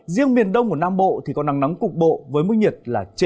riêng miền đông của nam bộ thì có nắng cục bộ với mức nhiệt là trên ba mươi năm độ